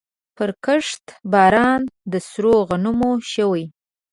پرکښت باران د سرو غنمو شوی